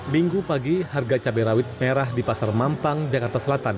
minggu pagi harga cabai rawit merah di pasar mampang jakarta selatan